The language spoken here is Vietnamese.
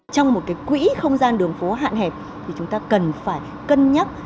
trong một quỹ không gian đường phố hạn hẹp thì chúng ta cần phải cân nhắc